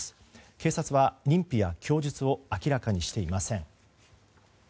警察は認否や供述を明らかにしていません。